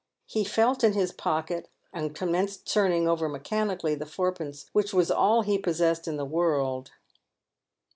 He felt in his pocket, and commenced turning over mechanically the fourpence, which was all he possessed in the world.